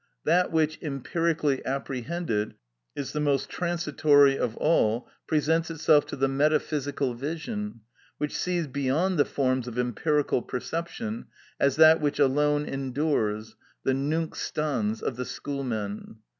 That which, empirically apprehended, is the most transitory of all, presents itself to the metaphysical vision, which sees beyond the forms of empirical perception, as that which alone endures, the nunc stans of the schoolmen.